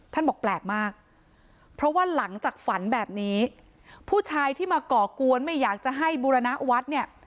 บอกแปลกมากเพราะว่าหลังจากฝันแบบนี้ผู้ชายที่มาก่อกวนไม่อยากจะให้บูรณวัฒน์เนี่ย